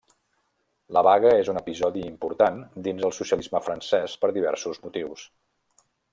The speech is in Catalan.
La vaga és un episodi important dins el socialisme francès per diversos motius.